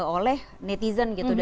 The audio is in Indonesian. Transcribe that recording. oleh netizen gitu